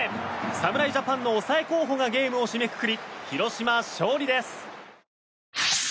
侍ジャパンの抑え候補がゲームを締めくくり広島、勝利です。